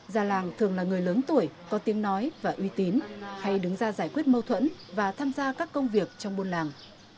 già làng thường là người lớn tuổi có tiếng nói và uy tín hay đứng ra giải quyết mâu thuẫn và tham gia các công việc trong buôn làng